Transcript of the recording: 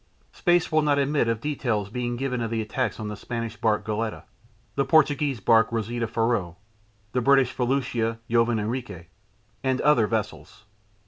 Space will not admit of details being given of the attacks on the Spanish barque Goleta, the Portuguese barque Rosita Faro, the British felucca Joven Enrique, and other vessels.